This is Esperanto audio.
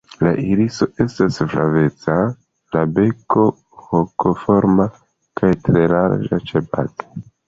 La iriso estas flaveca, la beko hokoforma kaj tre larĝa ĉebaze.